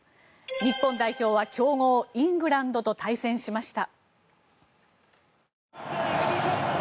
日本代表は強豪イングランドと対戦しました。